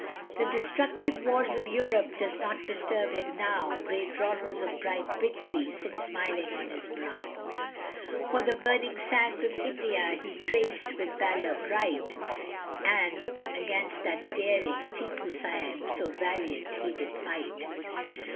The destructive wars of Europe does not disturb him now, Great laurels of bright victory sit smiling on his brow, For the burning sands of India he trac'd with valour bright, And against that daring Tippoo Saib so valiant he did fight.